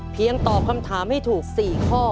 เพียงตอบคำถามให้ถูก๔ข้อ